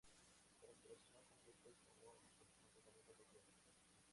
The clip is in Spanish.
La recuperación completa es común con tratamiento apropiado.